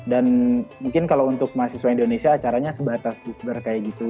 dan mungkin kalau untuk mahasiswa indonesia acaranya sebatas gitu